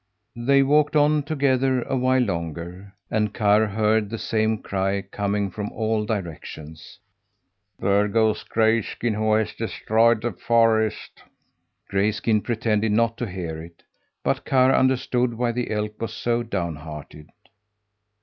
They walked on together a while longer, and Karr heard the same cry coming from all directions: "There goes Grayskin, who has destroyed the forest!" Grayskin pretended not to hear it; but Karr understood why the elk was so downhearted.